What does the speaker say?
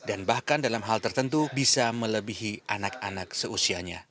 dan bahkan dalam hal tertentu bisa melebihi anak anak seusianya